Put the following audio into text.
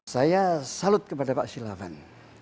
saya salut kepada pak syilavan